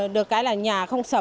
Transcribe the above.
được cái là nhà không sập